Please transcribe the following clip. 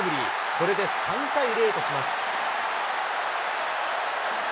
これで３対０とします。